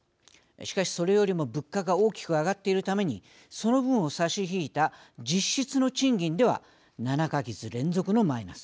しかし、それよりも物価が大きく上がっているためにその分を差し引いた実質の賃金では７か月連続のマイナス。